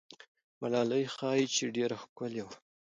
ملالۍ ښایي چې ډېره ښکلې وه.